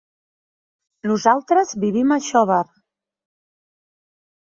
Nosaltres vivim a Xóvar.